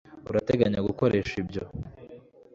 urateganya gukoresha ibyo